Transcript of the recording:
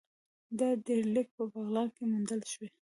دا ډبرلیک په بغلان کې موندل شوی